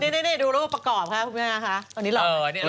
นี่ดูรูปประกอบค่ะพวกนี้หล่อ